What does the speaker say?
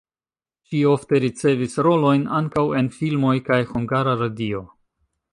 Ŝi ofte ricevis rolojn ankaŭ en filmoj kaj Hungara Radio.